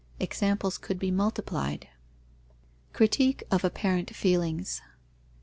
Examples could be multiplied. _Critique of apparent feelings.